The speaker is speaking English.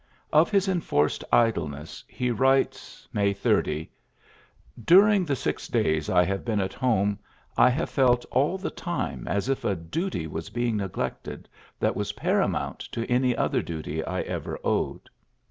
Of his enforced idleness he writes May 30, "During the six days I have been at home I have felt all the time as if a duty was being neglected that was paramount to any other duty I ever owed."